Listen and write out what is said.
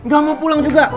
gak mau pulang juga